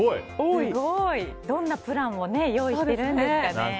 どんなプランを用意してるんですかね。